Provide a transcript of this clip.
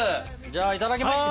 じゃあいただきます。